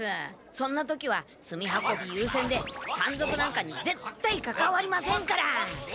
そんな時は炭運びゆうせんで山賊なんかにぜったいかかわりませんから。